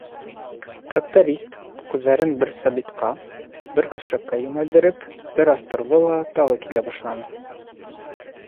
Тракторист, күҙҙәрен бер Сабитҡа, бер көршәккә йүнәлдереп, бер аҙ торҙо ла тағы килә башланы.